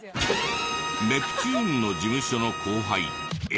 ネプチューンの事務所の後輩Ａ